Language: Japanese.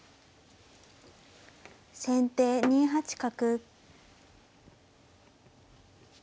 先手２八角。